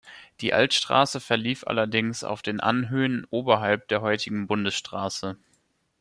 Die Altstraße verlief allerdings auf den Anhöhen oberhalb der heutigen Bundesstraße.